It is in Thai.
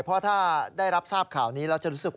เพราะถ้าได้รับทราบข่าวนี้แล้วจะรู้สึก